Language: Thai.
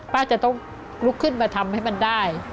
ป้าจะต้องลุกขึ้นมาทำให้มันได้